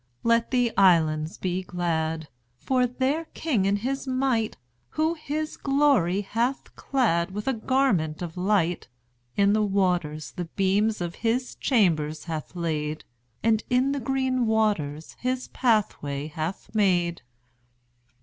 Let the islands be glad! For their King in his might, Who his glory hath clad With a garment of light, In the waters the beams of his chambers hath laid, And in the green waters his pathway hath made.